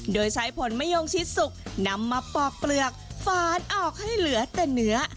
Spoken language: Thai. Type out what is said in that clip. โดยใช้ผลมะยงชิดสุกนำมาปอกเปลือกฟานออกให้เหลือแต่เนื้อ